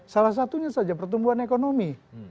salah satunya saja pertumbuhan ekonomi